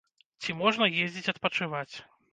Ці можна ездзіць адпачываць.